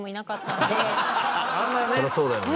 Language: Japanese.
そりゃそうだよね。